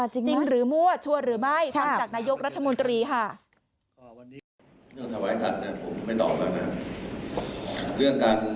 จริงหรือมั่วชัวร์หรือไม่ฟังจากนายกรัฐมนตรีค่ะ